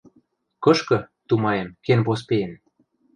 Кышкы, тумаем, кен поспеен?